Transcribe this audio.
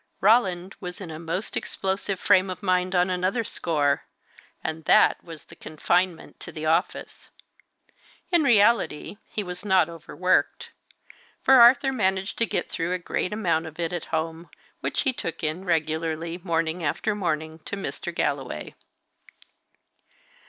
Roland was in a most explosive frame of mind on another score, and that was the confinement to the office. In reality, he was not overworked; for Arthur managed to get through a great amount of it at home, which he took in regularly, morning after morning, to Mr. Galloway.